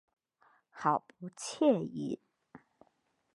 好不惬意